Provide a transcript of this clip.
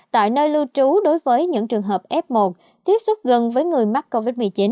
tại nơi lưu trú đối với những trường hợp f một tiếp xúc gần với người mắc covid một mươi chín